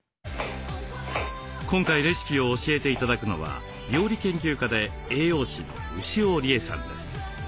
今回レシピを教えて頂くのは料理研究家で栄養士の牛尾理恵さんです。